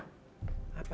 ini bisa itu ya